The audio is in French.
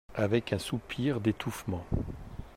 Avec un soupir d’étouffement.